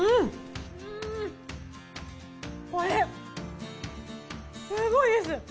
これすごいです！